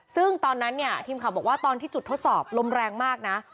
ซึ่งตอนนั้นเนี่ยทีมข่าวบอกว่าตอนที่จุดทดสอบลมแรงมากนะ